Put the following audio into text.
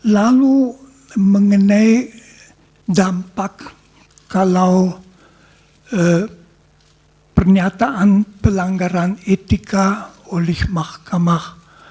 lalu mengenai dampak kalau pernyataan pelanggaran etika oleh mahkamah